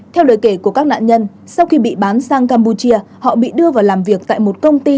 theo lời kể của các nạn nhân sau khi bị bán sang campuchia họ bị đưa vào làm việc tại một công ty